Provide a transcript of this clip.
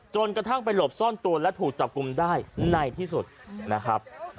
จนกระทั่งไปหลบซ่อนตัวและถูกจับกลุ่มได้ในที่สุดนะครับ